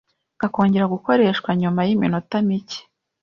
kakongera gukoreshwa nyuma yiminota micye